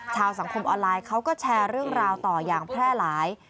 สังคมออนไลน์เขาก็แชร์เรื่องราวต่ออย่างแพร่หลาย